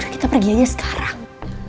kita pergi aja sekarang